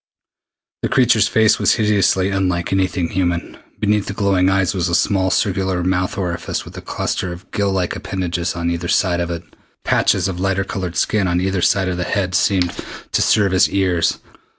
The creature's face was hideously unlike anything human. Beneath the glowing eyes was a small circular mouth orifice with a cluster of gill like appendages on either side of it. Patches of lighter colored skin on either side of the head seemed to serve as ears.